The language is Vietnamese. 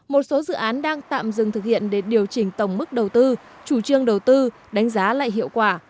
một số dự án đang tạm dừng thực hiện để điều chỉnh tổng mức đầu tư chủ trương đầu tư đánh giá lại hiệu quả